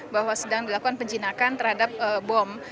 bahwa sedang dilakukan penjinakan terhadap bom